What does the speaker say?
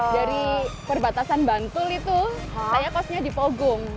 dari perbatasan bantul itu saya kosnya di pogung